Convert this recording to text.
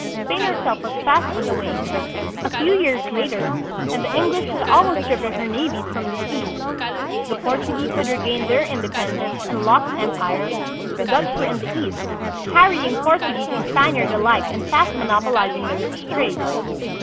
Spain her self was fast on the wane. A few years later and the English had almost driven her navies from the seas, the Portuguese had regained their independence and lost em pire, the Dutch were in the East, harrying Portuguese and Spaniard alike and fast monopolizing the rich trade.